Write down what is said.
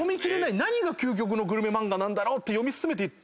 何が究極のグルメ漫画なんだろって読み進めていって。